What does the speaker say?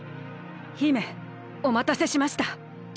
姫おまたせしました。